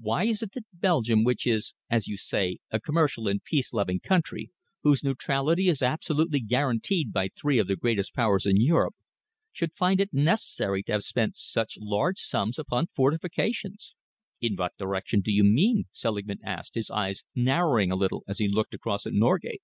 Why is it that Belgium, which is, as you say, a commercial and peace loving country, whose neutrality is absolutely guaranteed by three of the greatest Powers in Europe, should find it necessary to have spent such large sums upon fortifications?" "In which direction do you mean?" Selingman asked, his eyes narrowing a little as he looked across at Norgate.